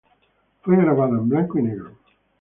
Fue grabada en blanco y negro.